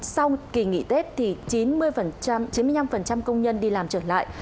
sau kỳ nghỉ tết thì chín mươi năm công nhân đi làm trở lại